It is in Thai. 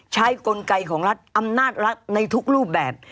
กลไกของรัฐอำนาจรัฐในทุกรูปแบบ